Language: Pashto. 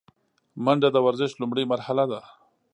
منډه د ورزش لومړۍ مرحله ده